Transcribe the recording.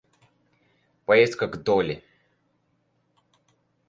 Поездка к Долли.